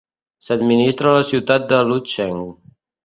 S"administra a la ciutat de Lucheng.